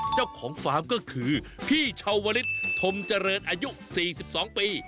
เจ้าของฟาร์มก็คือพี่ชาวลิศธมเจริญอายุ๔๒ปี